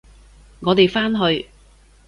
我哋返去！